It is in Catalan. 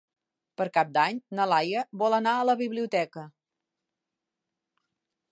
Per Cap d'Any na Laia vol anar a la biblioteca.